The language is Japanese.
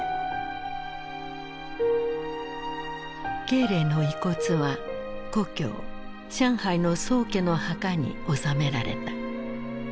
慶齢の遺骨は故郷上海の宋家の墓に納められた。